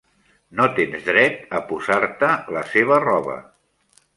No tens dret a posar-te la seva roba.